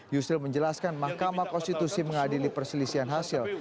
yusril menjelaskan mahkamah konstitusi mengadili perselisihan hasil